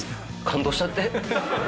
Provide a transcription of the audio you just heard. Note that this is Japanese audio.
感動しちゃって。